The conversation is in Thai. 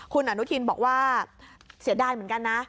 คุณอนุทินบอกว่าเสียดายเหมือนกันนะ